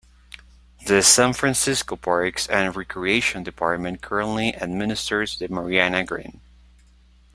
The San Francisco Parks and Recreation Department currently administers the Marina Green.